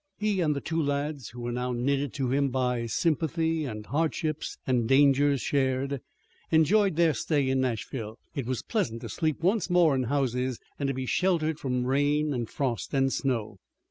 He and the two lads who were now knitted to him by sympathy, and hardships and dangers shared, enjoyed their stay in Nashville. It was pleasant to sleep once more in houses and to be sheltered from rain and frost and snow.